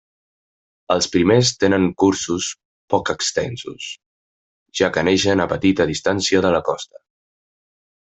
Els primers tenen cursos poc extensos, ja que neixen a petita distància de la costa.